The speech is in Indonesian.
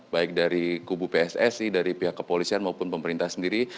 baik dari kubu pssi dari pihak kepolisian maupun pemerintah sendiri